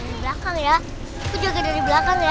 jangan ke belakang ya aku jaga dari belakang ya